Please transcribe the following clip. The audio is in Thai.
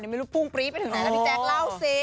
ไม่รู้พุ่งปรี๊ดไปถึงไหนแล้วพี่แจ๊คเล่าสิ